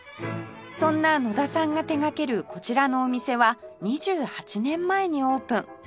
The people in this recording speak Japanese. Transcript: そんな野田さんが手掛けるこちらのお店は２８年前にオープン